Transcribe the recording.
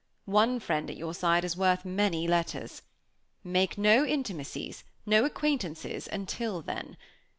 One friend at your side is worth many letters. Make no intimacies, no acquaintances, until then.